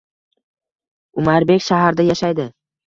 Umarbek shaharda yashaydi